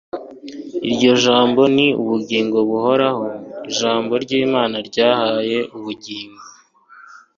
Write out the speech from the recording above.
Iryo jambo ni ubugingo buhoraho. Ijambo ry’Imana ryahaye ubugingo